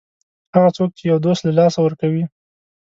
هغه څوک چې یو دوست له لاسه ورکوي.